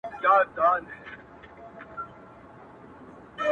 چي سُجده پکي- نور په ولاړه کيږي-